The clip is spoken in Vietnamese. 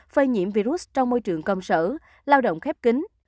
phơi nhiễm virus trong môi trường công sở lao động khép kính